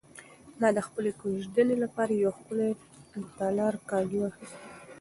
ما د خپلې کوژدنې لپاره یو ښکلی د تالار کالي واخیستل.